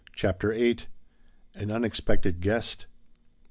CHAPTER VIII. AN UNEXPECTED GUEST.